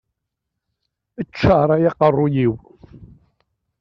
Ččaṛ ay aqeṛṛuy-iw!